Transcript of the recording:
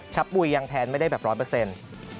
ปุ๋ยยังแทนไม่ได้แบบร้อยเปอร์เซ็นต์